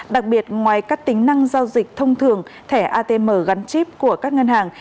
đặc biệt ngoài các tính năng giao dịch thông thường thẻ atm gắn chip của các ngân hàng